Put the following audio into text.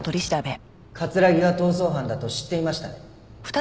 木が逃走犯だと知っていましたね？